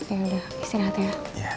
ya udah istirahat ya